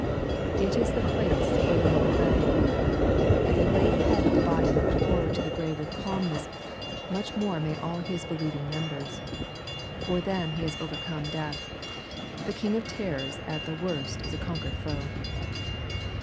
It is the place where the Lord lay. If the great Head of the body looked forward to the grave with calmness, much more may all His be lieving members. For them He has overcome death. The king of terrors at the worst is a conquered foe.